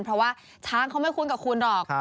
เพราะว่าช้างเขาไม่คุ้นกับคุณหรอก